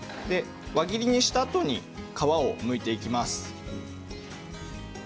輪切りにしたあとに皮をむいていきます。